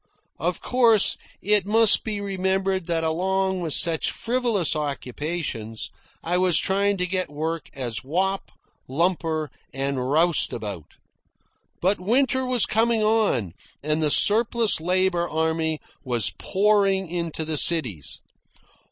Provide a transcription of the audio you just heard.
Of course, it must be remembered that along with such frivolous occupations I was trying to get work as wop, lumper, and roustabout. But winter was coming on, and the surplus labour army was pouring into the cities.